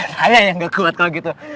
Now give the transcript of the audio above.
saya yang gak kuat kalau gitu